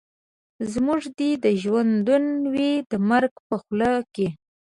زموږ دي ژوندون وي د مرګ په خوله کي